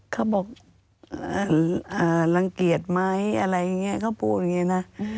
เขาบอกรังเกียจไหมอะไรอย่างนี้เขาพูดอย่างนี้นะ